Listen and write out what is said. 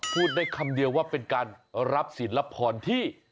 พูดในคำเดียวว่าเป็นการรับสินรับผลที่